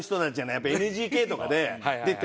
やっぱＮＧＫとかで出て。